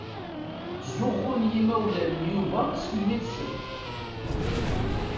Ttzuxxun yimawlan n Yuba s mmi-tsen.